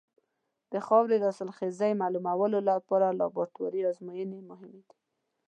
د خاورې د حاصلخېزۍ معلومولو لپاره لابراتواري ازموینې مهمې دي.